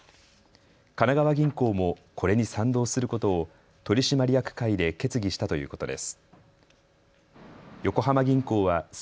神奈川銀行もこれに賛同することを取締役会で決議したということです。